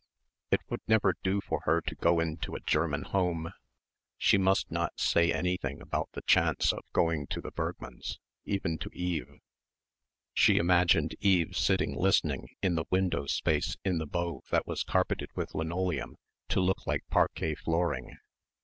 It would never do for her to go into a German home. She must not say anything about the chance of going to the Bergmanns' even to Eve. She imagined Eve sitting listening in the window space in the bow that was carpeted with linoleum to look like parquet flooring.